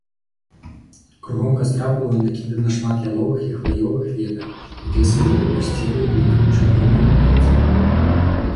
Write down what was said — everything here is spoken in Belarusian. Кругом кастра было накідана шмат яловых і хваёвых ветак, якія служылі пасцеллю для чырвонаармейцаў.